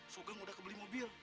sugeng udah kebeli mobil